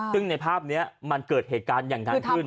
ซึ่งในภาพนี้มันเกิดเหตุการณ์อย่างนั้นขึ้น